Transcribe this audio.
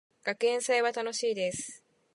学園祭は楽しいです。